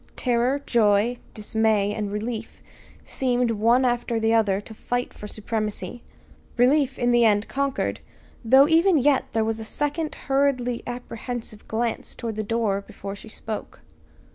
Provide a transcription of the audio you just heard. Terror, joy, dismay, and relief seemed, one after the other to fight for supremacy. Relief in the end conquered, though even yet there was a second hurriedly apprehensive glance toward the door before she spoke.